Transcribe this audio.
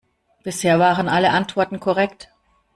Bisher waren alle Antworten korrekt.